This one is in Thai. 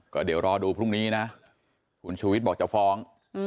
ก็เดี๋ยวรอดูพรุ่งนี้นะคุณชูวิทย์บอกจะฟ้อง